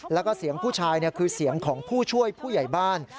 แล้วก็เสียงผู้ชายคือเสียงของผู้ช่วยผู้ใหญ่บ้าน